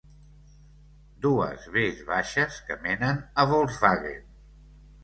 Dues ves baixes que menen a Volkswagen.